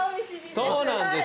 そうなんですよ。